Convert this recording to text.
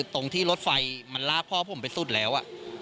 ตรงที่รถไฟมันลากพ่อผมไปสุดแล้ว